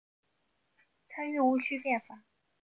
参与戊戌变法。